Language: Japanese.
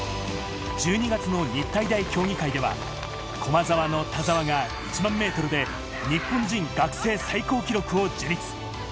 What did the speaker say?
１２月の日体大競技会では、駒澤の田澤が１００００ｍで日本人学生最高記録を樹立。